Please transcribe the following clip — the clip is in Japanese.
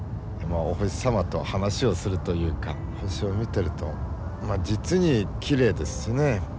お星様と話をするというか星を見てると実にきれいですしね。